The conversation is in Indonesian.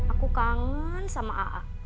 aku kangen sama a'a